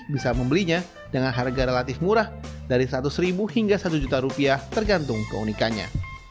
bisa membelinya dengan harga relatif murah dari rp seratus hingga rp satu tergantung keunikannya